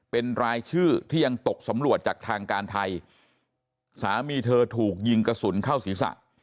เป็นรายชื่อที่ยังตกสำรวจจากทางการไทยสามีเธอถูกยิงกระสุนเข้าศีรษะ